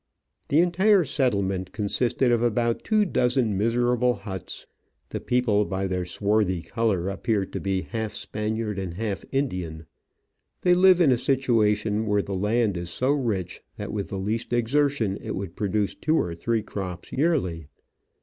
The entire settlement consisted of about two dozen miserable huts. The people by their swarthy colour appeared to be half Spaniard and half Indian. They live in a situation where the land is so rich that with the least exertion it w^ould produce two or three crops yearly.